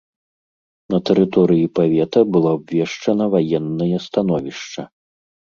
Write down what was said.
На тэрыторыі павета было абвешчана ваеннае становішча.